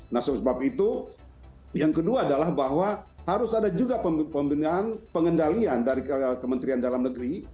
nah sebab itu yang kedua adalah bahwa harus ada juga pembinaan pengendalian dari kementerian dalam negeri